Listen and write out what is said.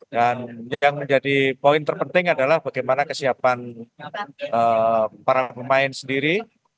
dan yang menjadi poin terpenting adalah bagaimana kesiapan para pemain sendiri